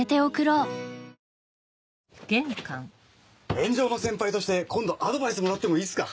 炎上の先輩として今度アドバイスもらってもいいっすか？